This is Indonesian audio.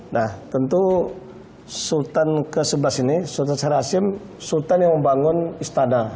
nah tentu sultan ke sebelas ini sultan sarah hasim sultan yang membangun istana